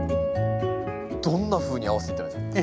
どんなふうに合わせていったらいいですか？